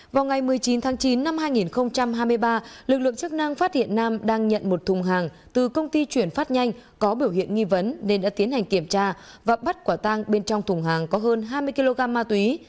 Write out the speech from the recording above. vào ngày một mươi chín tháng chín năm hai nghìn hai mươi ba lực lượng chức năng phát hiện nam đang nhận một thùng hàng từ công ty chuyển phát nhanh có biểu hiện nghi vấn nên đã tiến hành kiểm tra và bắt quả tang bên trong thùng hàng có hơn hai mươi kg ma túy